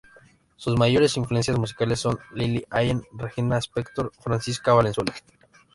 Sus mayores influencias musicales son Lily Allen, Regina Spektor, Francisca Valenzuela